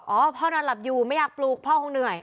พ่อนอนหลับอยู่ไม่อยากปลูกพ่อคงเหนื่อย